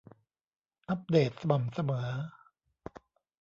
อัปเดตสม่ำเสมอ